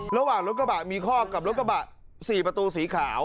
ระหว่างรถกระบะมีก้อและรถกระบะสี่ประตูสีขาว